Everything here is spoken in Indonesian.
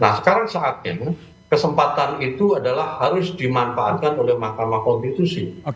nah sekarang saatnya kesempatan itu adalah harus dimanfaatkan oleh mahkamah konstitusi